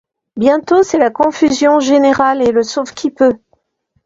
Bientôt, c’est la confusion générale et le sauve-qui-peut.